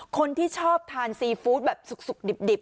คนที่ชอบทานซีฟู้ดแบบสุกดิบ